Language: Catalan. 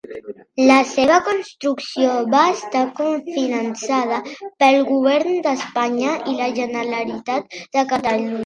La seva construcció va estar cofinançada pel Govern d'Espanya i la Generalitat de Catalunya.